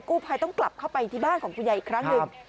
กู้ภัยต้องกลับเข้าไปที่บ้านของคุณยายอีกครั้งหนึ่ง